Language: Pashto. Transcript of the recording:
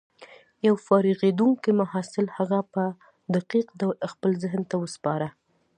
يو فارغېدونکي محصل هغه په دقيق ډول خپل ذهن ته وسپاره.